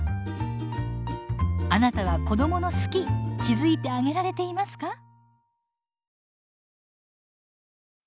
あなたは子どもの「好き」気付いてあげられていますか？